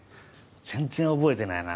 全然覚えてないな。